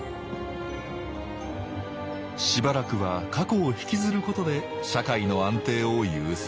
しばらくは過去をひきずることで社会の安定を優先。